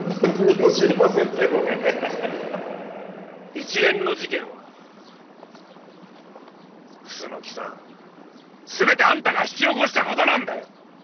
一連の事件は楠木さん全てあんたが引き起こした事なんだよ！